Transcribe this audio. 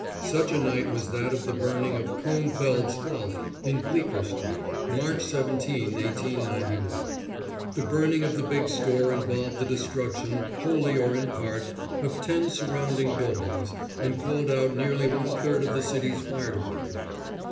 Such a night was that of the burning of "Cohnfeld's Folly," in Bleecker street, March 17, 1891. The burning of the big store involved the destruction, wholly or in part, of ten surrounding buildings, and called out nearly one third of the city's Fire Department.